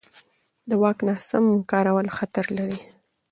د واک ناسم کارول خطر لري